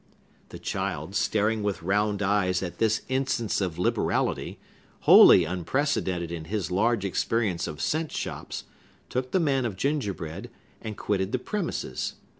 The child, staring with round eyes at this instance of liberality, wholly unprecedented in his large experience of cent shops, took the man of gingerbread, and quitted the premises.